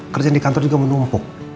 kerjaan di kantor juga menumpuk